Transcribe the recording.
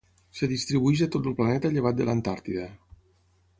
Es distribueix a tot el planeta llevat de l'Antàrtida.